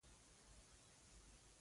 پسه دده ملګری و ډېره مینه یې ورسره وه.